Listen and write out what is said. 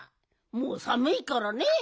もうさむいからね。